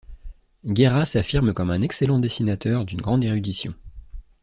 Guerra s'affirme comme un excellent dessinateur d'une grande érudition.